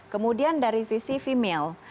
kemudian dari sisi female